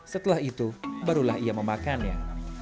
setelah itu barulah ia memakannya